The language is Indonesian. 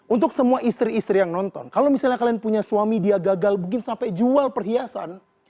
untuk semua istri istri yang nonton kalau misalnya kalian punya suami dia gagal mungkin sampai jual perhiasan